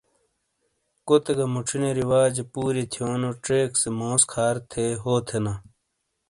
کوتے گہ موچھینے رواجے پورئیے تھیونو چیک سے موس کھار تھے ہو تھینا۔